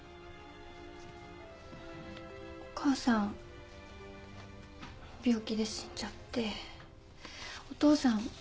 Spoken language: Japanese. お母さん病気で死んじゃってお父さん交通事故で。